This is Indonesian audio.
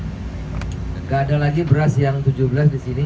tidak ada lagi beras yang tujuh belas di sini